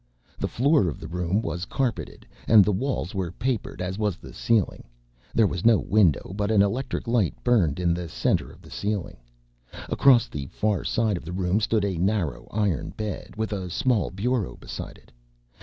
The floor of the room was carpeted, and the walls were papered, as was the ceiling. There was no window, but an electric light burned in the center of the ceiling. Across the far side of the room stood a narrow iron bed, with a small bureau beside it.